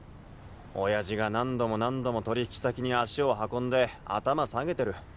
親父が何度も何度も取引先に足を運んで頭下げてる。